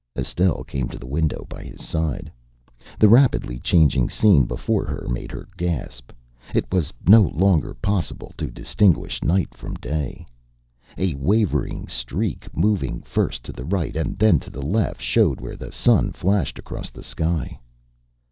Estelle came to the window by his side. The rapidly changing scene before her made her gasp. It was no longer possible to distinguish night from day. A wavering streak, moving first to the right and then to the left, showed where the sun flashed across the sky.